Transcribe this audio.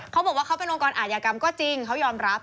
เขาบอกว่าเขาเป็นองค์กรอาธิกรรมก็จริงเขายอมรับ